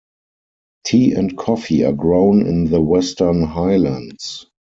Tea and coffee are grown in the Western Highlands.